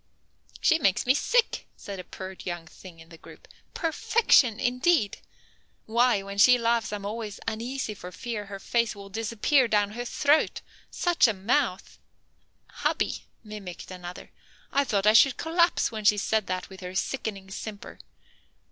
"She makes me sick," said a pert young thing in the group. "Perfection indeed! Why, when she laughs I'm always uneasy for fear her face will disappear down her throat. Such a mouth!" "Hubby," mimicked another, "I thought I should collapse when she said that with her sickening simper."